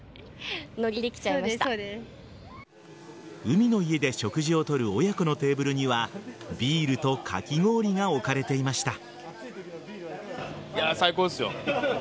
海の家で食事をとる親子のテーブルにはビールとかき氷が置かれていました。